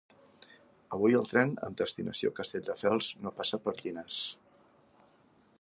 Avui el tren amb destinació Castelldefels no passa per Llinars